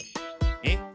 えっ？